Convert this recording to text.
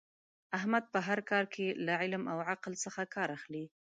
احمد په هر کار کې له علم او عقل څخه کار اخلي.